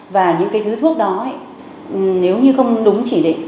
và những cái thứ thuốc đó ấy nếu như không đúng chỉ định